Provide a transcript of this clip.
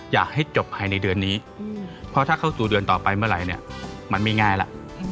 อยากให้จบภายในเดือนนี้เพราะถ้าเข้าสู่เดือนต่อไปเมื่อไหร่เนี่ยมันไม่ง่ายแล้ว